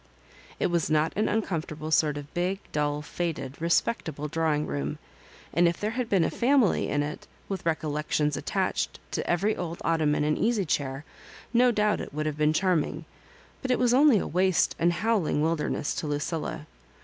It was not an uncomfortable sort of big, dull, faded, respectable drawing room, and if there had been a family in Digitized by VjOOQIC 12 MISS MABJOBIBANEB. it, with recollections attached to every old otto man and easy^chair, no doubt it would have been charming ; but it was only a waste and howling wilderness to Lucilla.